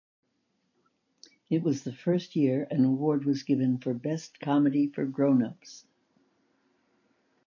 It was the first year an award was given for Best Comedy for Grownups.